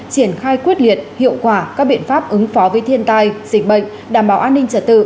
triển khai quyết liệt hiệu quả các biện pháp ứng phó với thiên tai dịch bệnh đảm bảo an ninh trật tự